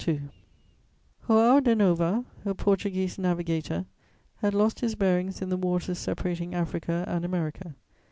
_"* João de Nova, a Portuguese navigator, had lost his bearings in the waters separating Africa and America.